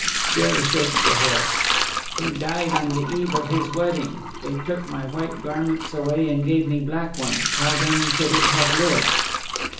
Still the shake of the head. "He died on the eve of his wedding. They took my white garments away and gave me black ones. How then could it have lived?"